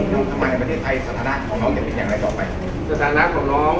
ถบอกว่ามันก็ไม่มีควันชอบฝัน